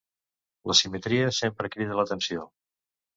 La simetria sempre crida l'atenció.